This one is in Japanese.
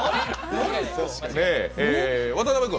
渡辺君。